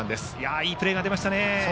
いいプレーが出ましたね。